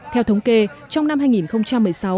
theo thống kê trong năm hai nghìn một mươi sáu